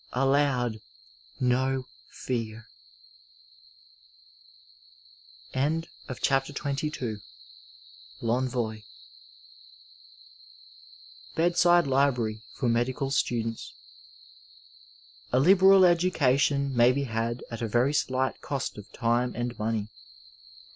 Allowed BO fear.'* *^* n I Digitized by VjOOQIC BED SIDE LIBRARY POR MEDICAL STUDENTS. A LIBERAL edacation may be had at a very slight cost of time and money.